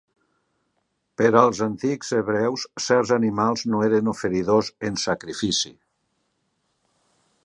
Per als antics hebreus, certs animals no eren oferidors en sacrifici.